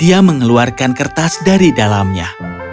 dia mengeluarkan kertas dari dalamnya